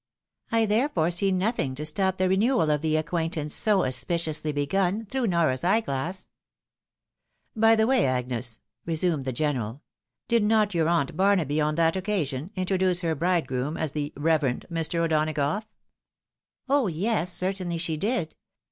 I therefore see nothing to stop the re newal of the acquaintance so auspiciously begun through Nora's eyeglass." " By the way, Agnes," resumed the general, " did not your aunt Barnaby on that occasion introduce her bridegToom as the reverend Mr. O'Donagough? " "Oh, yes! — certainly she did.